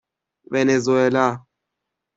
ونزوئلا